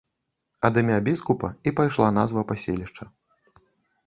Ад імя біскупа і пайшла назва паселішча.